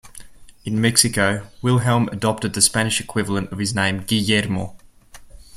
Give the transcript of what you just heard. In Mexico, Wilhelm adopted the Spanish equivalent of his name "Guillermo".